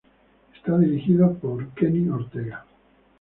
Está dirigida por Kenny Ortega.